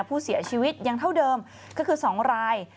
ผู้เสียชีวิตยังเท่าเดิมก็คือ๒ราย